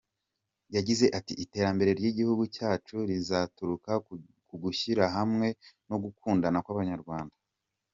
Yagize ati “Iterambere ry’igihugu cyacu rizaturuka ku gushyirahamwe no gukundana kw’Abanyarwanda.